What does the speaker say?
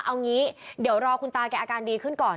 เอางี้เดี๋ยวรอคุณตาแกอาการดีขึ้นก่อน